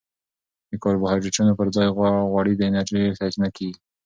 د کاربوهایډریټونو پر ځای غوړي د انرژي سرچینه کېږي.